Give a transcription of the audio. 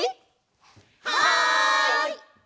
はい！